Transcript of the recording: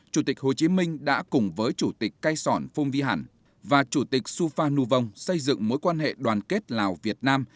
chủ tịch hồ chí minh đã cùng với chủ tịch cai sọn phung vi hẳn và chủ tịch supha nhu vong xây dựng mối quan hệ đoàn kết lào việt nam